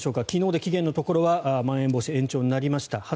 昨日で期限のところはまん延防止、延長になりました。